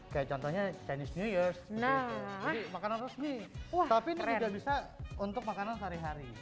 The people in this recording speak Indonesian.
kayak contohnya chinese new years ini makanan resmi tapi ini juga bisa untuk makanan sehari hari